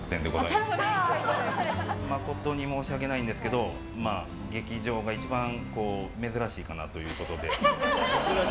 誠に申し訳ないんですけど劇場が一番珍しいかなということで。